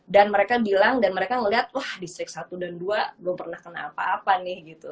dan mereka bilang dan mereka ngelihat wah distrik satu dan dua belum pernah kena apa apa nih gitu